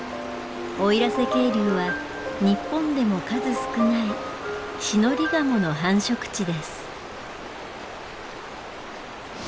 奥入瀬渓流は日本でも数少ないシノリガモの繁殖地です。